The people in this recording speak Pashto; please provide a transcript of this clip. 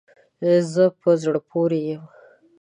زه په زړه پوری یم